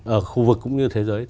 ở khu vực cũng như thế giới